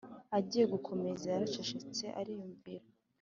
agiye gukomeza yaracecetse ariyumvira